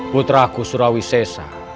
putraku surawi sesa